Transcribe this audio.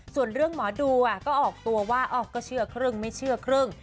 ส่วนเรื่องหมอดูก็ออกตัวว่าก็เชื่อครึ่งไม่เชื่อครึ่ง